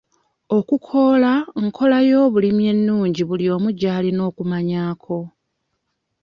Okukoola nkola y'okulima ennnungi buli omu gy'alina okumanyaako.